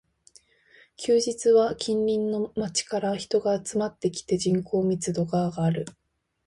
休日は近隣の街から人が集まってきて、人口密度が上がる